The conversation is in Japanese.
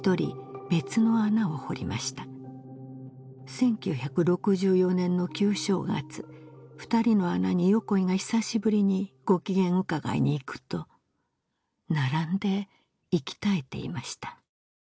１９６４年の旧正月二人の穴に横井が久しぶりにご機嫌伺いにいくと並んで息絶えていました